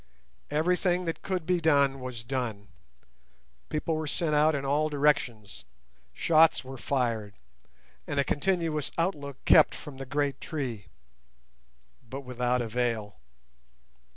Everything that could be done was done: people were sent out in all directions, shots were fired, and a continuous outlook kept from the great tree, but without avail.